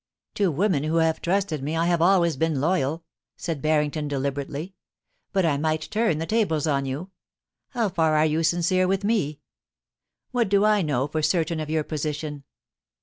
*To women who have trusted me I have always been loyal,' said Barrington, deliberately. * But I might turn the tables upon you. How far are you sincere with me ? What do I know for certain of your position